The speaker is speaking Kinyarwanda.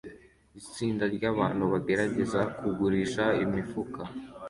Itsinda ryabantu bagerageza kugurisha imifuka